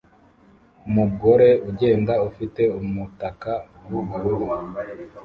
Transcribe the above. Umugore ugenda afite umutaka w'ubururu